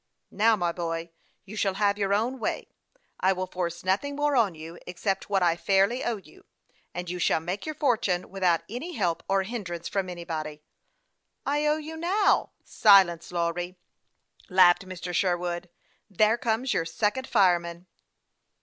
" Now, my boy, you shall have your own way. I will force nothing more on you, except what I fairly owe you, and you shall make your fortune without any help or hinderance from anybody." " I owe you now "" Silence, Lawry !" laughed Mr. Sherwood. " There comes your second fireman."